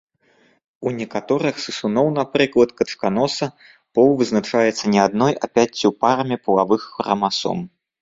У некаторых сысуноў, напрыклад, качканоса, пол вызначаецца не адной, а пяццю парамі палавых храмасом.